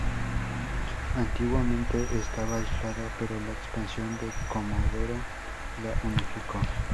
Antiguamente estaba aislada, pero la expansión de Comodoro la unificó.